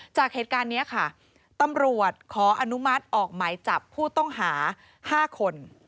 จากเหตุการณ์นี้ค่ะตำรวจขออนุมัติออกหมายจับผู้ต้องหา๕คน